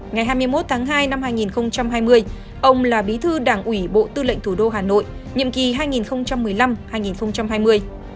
ngày hai mươi một tháng hai năm hai nghìn hai mươi ông là bí thư đảng ủy bộ tư lệnh thủ đô hà nội nhiệm kỳ hai nghìn một mươi năm hai nghìn hai mươi